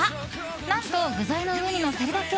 何と、具材の上にのせるだけ。